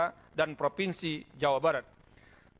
provinsi banten provinsi dki jakarta